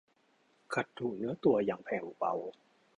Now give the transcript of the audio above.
ขัดถูเนื้อตัวอย่างแผ่วเบา